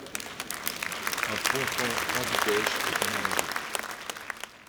Un ponton handipêche est aménagé.